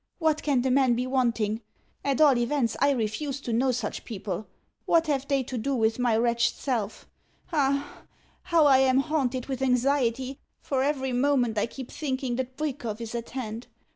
What can the man be wanting? At all events, I refuse to know such people. What have they to do with my wretched self? Ah, how I am haunted with anxiety, for every moment I keep thinking that Bwikov is at hand!